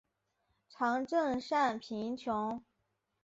常赈赡贫穷。